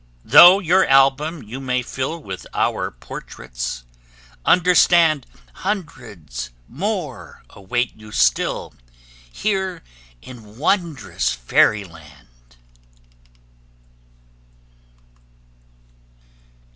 "Though your album you may fill With our portraits, understand Hundreds more await you still Here in wondrous Fairyland."